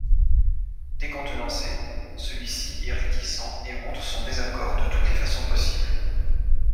Décontenancé, celui-ci est réticent et montre son désaccord de toutes les façons possibles.